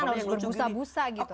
harus berbusa busa gitu